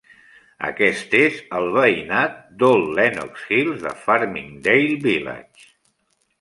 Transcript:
Aquest és el veïnat d'Old Lenox Hills de Farmingdale Village.